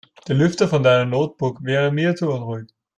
Der Lüfter von deinem Notebook wäre mir zu unruhig.